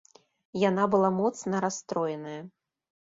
Яна была моцна расстроеная.